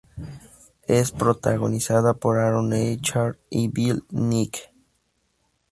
Es protagonizada por Aaron Eckhart y Bill Nighy.